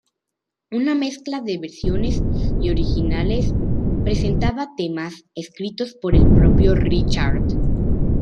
Una mezcla de versiones y originales, presentaba temas escritos por el propio Richard.